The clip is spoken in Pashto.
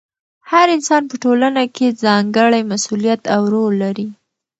هر انسان په ټولنه کې ځانګړی مسؤلیت او رول لري.